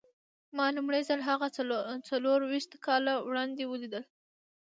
ما لومړی ځل هغه څلور ويشت کاله وړاندې وليد.